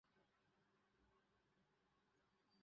Copeland was born in Harriman, Tennessee.